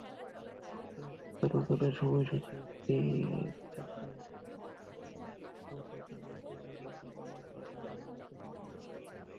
Train চলাচলের সময়সূচি একটি থাকে বটে, তবে এটা মানার বাধ্যবাধকতা চিন্তাতেই নেই।